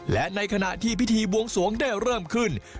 และในขณะที่พิธีบวงสวงได้เริ่มขึ้น